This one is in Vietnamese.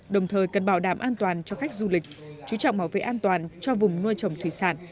đồng thời cần bảo đảm an toàn cho khách du lịch chú trọng bảo vệ an toàn cho vùng nuôi trồng thủy sản